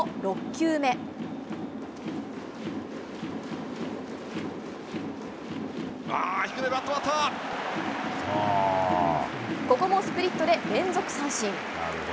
低め、ここもスプリットで連続三振。